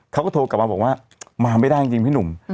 เขาก็โทรกลับมาบอกว่ามาไม่ได้จริงพี่หนุ่ม